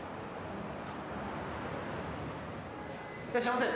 いらっしゃいませ。